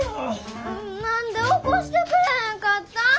何で起こしてくれへんかったん？